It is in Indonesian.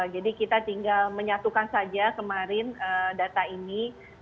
jadi kita tinggal menyatukan saja kemarin data ini